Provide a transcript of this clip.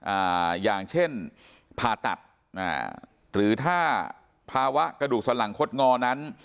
อย่างเช่นผ่าตัดอ่าหรือถ้าภาวะกระดูกสลังคดงอนั้น